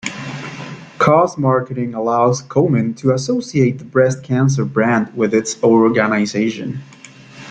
Cause marketing allows Komen to associate the breast cancer brand with its organization.